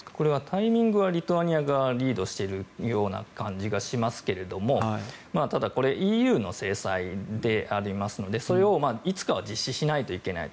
タイミングはリトアニアがリードしているような感じがしますけどもただ、これはＥＵの制裁でありますのでそれをいつかは実施しないといけない。